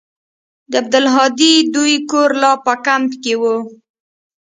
د عبدالهادي دوى کور لا په کمپ کښې و.